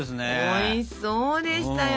おいしそうでしたよ。